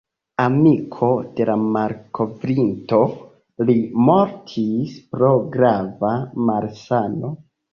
Amiko de la malkovrinto, li mortis pro grava malsano.